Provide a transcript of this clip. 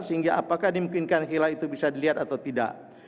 sehingga apakah dimungkinkan hilal itu bisa dilihat atau tidak